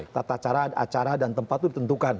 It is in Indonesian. tata cara acara dan tempat itu ditentukan